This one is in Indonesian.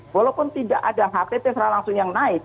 walaupun tidak ada hpp secara langsung yang naik